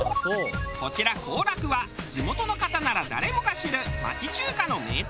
こちら香楽は地元の方なら誰もが知る町中華の名店。